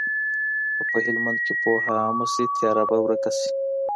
که په هلمند کي پوهه عامه شي، تیاره به ورک شي.